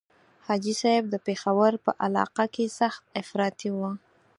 حاجي صاحب د پېښور په علاقه کې سخت افراطي وو.